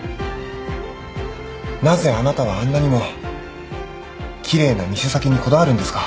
なぜあなたはあんなにも奇麗な店先にこだわるんですか？